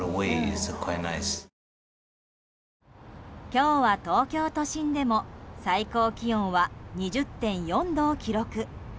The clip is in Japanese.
今日は東京都心でも最高気温は２０．４度を記録。